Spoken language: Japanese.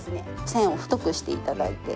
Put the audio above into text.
線を太くして頂いて。